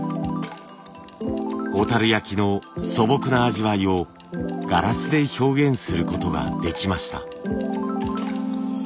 小焼の素朴な味わいをガラスで表現することができました。